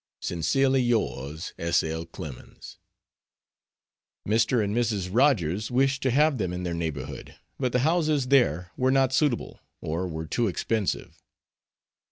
Sincerely yours, S. L. CLEMENS. Mr. and Mrs. Rogers wished to have them in their neighborhood, but the houses there were not suitable, or were too expensive.